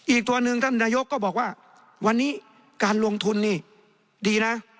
อีกตัวหนึ่งท่านนายกก็บอกว่าวันนี้การลงทุนนี่ดีนะ